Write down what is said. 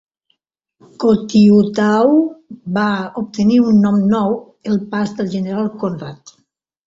Khotyu-tau va obtenir un nom nou - "El pas del general Konrad".